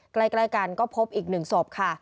ใกล้กันก็พบอีก๑ศพค่ะ